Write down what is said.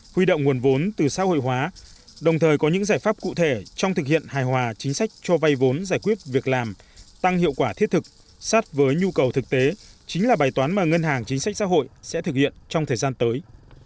huy động nguồn vốn từ xã hội hóa đồng thời có những giải pháp cụ thể trong thực hiện hài hòa chính sách cho vay vốn giải quyết việc làm tăng hiệu quả thiết thực sát với nhu cầu thực tế chính là bài toán mà ngân hàng chính sách xã hội sẽ thực hiện trong thời gian tới